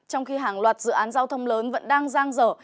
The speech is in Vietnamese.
trong khi hàng loạt dự án giao thông lớn vẫn đang giang dở